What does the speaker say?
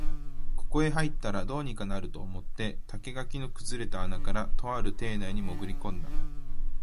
ここへ入ったら、どうにかなると思って竹垣の崩れた穴から、とある邸内にもぐり込んだ